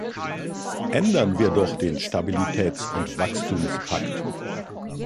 Ändern wir doch den Stabilitäts- und Wachstumspakt!